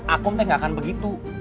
aku minta ga akan begitu